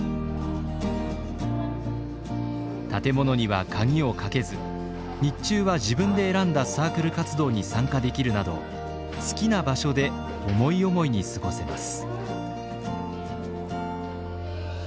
建物には鍵をかけず日中は自分で選んだサークル活動に参加できるなど好きな場所で思い思いに過ごせます。